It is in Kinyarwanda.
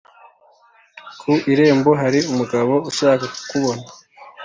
ku irembo hari umugabo ushaka kukubona.